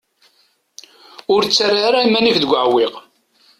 Ur ttarra ara iman-ik deg uɛewwiq.